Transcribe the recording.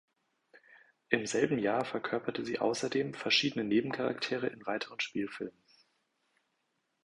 Im selben Jahr verkörperte sie außerdem verschiedene Nebencharaktere in weiteren Spielfilmen.